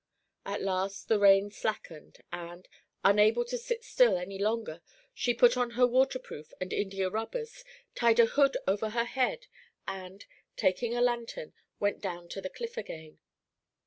At last the rain slackened, and, unable to sit still any longer, she put on her water proof and India rubbers, tied a hood over her head, and, taking a lantern, went down to the cliff again.